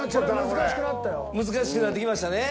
難しくなってきましたね。